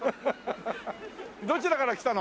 どちらから来たの？